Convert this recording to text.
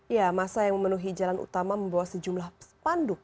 ya masa yang memenuhi jalan utama membawa sejumlah spanduk